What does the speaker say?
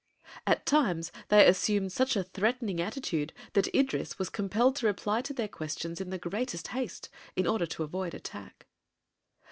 At times they assumed such a threatening attitude that Idris was compelled to reply to their questions in the greatest haste in order to avoid attack.